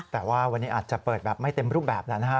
แต่ว่าวันนี้อาจจะเปิดแบบไม่เต็มรูปแบบแล้วนะฮะ